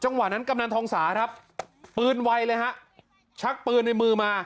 กว่านั้นกำนันทองสาครับปืนไวเลยฮะชักปืนในมือมา